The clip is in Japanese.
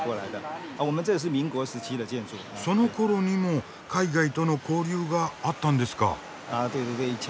そのころにも海外との交流があったんですか？